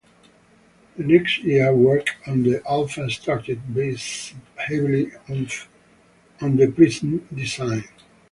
The next year work on the Alpha started, based heavily on the Prism design.